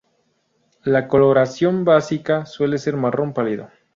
La coloración básica suele ser marrón pálido.